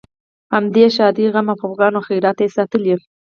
همدې ښادۍ، غم، خپګان او خیرات ته یې ساتلې.